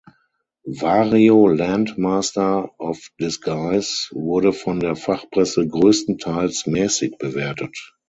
Wario Land Master of Disguise wurde von der Fachpresse größtenteils mäßig bewertet.